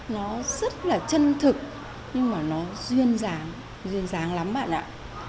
nó rất là chân thực nhưng mà nó duyên dáng duyên dáng lắm bạn ạ